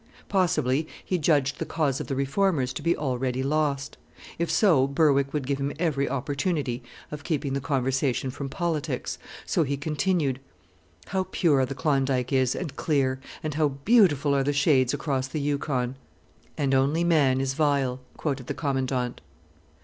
Possibly he judged the cause of the reformers to be already lost. If so Berwick would give him every opportunity of keeping the conversation from politics: so he continued, "How pure the Klondike is and clear, and how beautiful are the shades across the Yukon!" "'And only man is vile,'" quoted the Commandant.